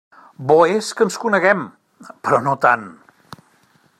Bo és que ens coneguem, però no tant.